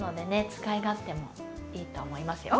使い勝手もいいと思いますよ。